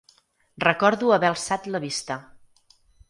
Recordo haver alçat la vista.